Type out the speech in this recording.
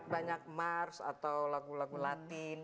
banyak mars atau lagu lagu latin